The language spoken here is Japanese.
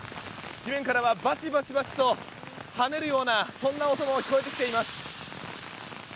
地面からはバチバチと跳ねるようなそんな音も聞こえてきています。